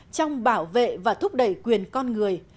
trong bảo vệ và thúc đẩy quyền con người